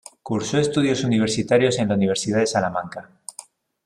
Cursó estudios universitarios en la Universidad de Salamanca.